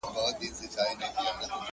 او که نه نو عاقبت به یې د خره وي؛